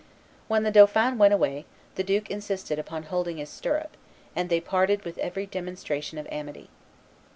When the dauphin went away, the duke insisted upon holding his stirrup, and they parted with every demonstration of amity.